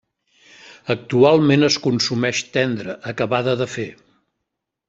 Actualment es consumeix tendra, acabada de fer.